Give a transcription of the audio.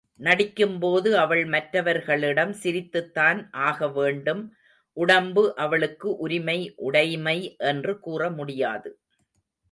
நடிக்கும்போது அவள் மற்றவர்களிடம் சிரித்துத்தான் ஆக வேண்டும் உடம்பு அவளுக்கு உரிமை உடைமை என்று கூறமுடியாது.